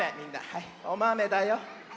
はいおまめだよ。